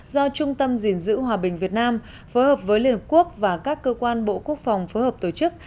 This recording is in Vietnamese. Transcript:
do trung tâm gìn giữ hòa bình việt nam phối hợp với liên hợp quốc và các cơ quan bộ quốc phòng phối hợp tổ chức